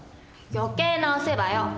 余計なお世話よ。